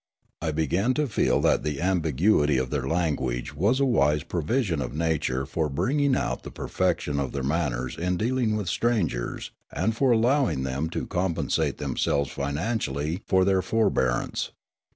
I began to feel that the ambiguity of their language was a wise provision of nature for bringing out the perfection of their manners in dealing with strangers and for allowing them to compensate themselves financially for their forbearance.